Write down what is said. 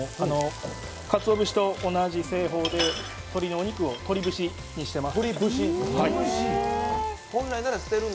かつお節と同じ製法で鶏のお肉を鶏節にしています。